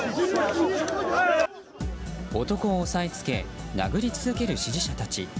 男を押さえつけ殴り続ける支持者たち。